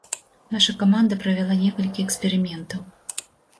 Наша каманда правяла некалькі эксперыментаў.